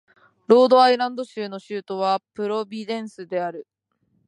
ロードアイランド州の州都はプロビデンスである